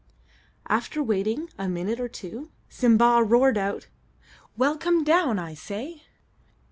After waiting a minute or two, Simba roared out, "Well, come down, I say!"